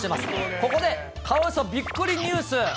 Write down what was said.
ここでカワウソびっくりニュース。